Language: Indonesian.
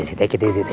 ameilah ameilah ayolah